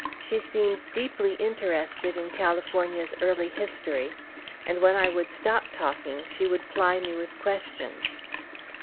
She seemed deeply interested in California's early history, and when I would stop talking, she would ply me with questions.